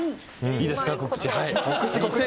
いいですか、告知。